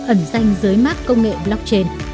ẩn danh dưới mát công nghệ blockchain